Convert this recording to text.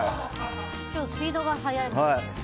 今日スピードが速い。